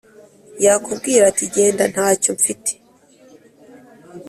yakubwira ati genda ntacyo mfite